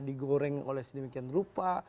digoreng oleh sedemikian rupa